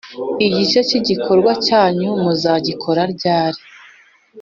igice cyibikorwa cyunyu mu zagikora ryari